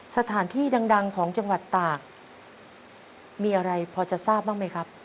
สถานที่ดังของจังหวัดตากมีอะไรพอจะทราบบ้างไหมครับ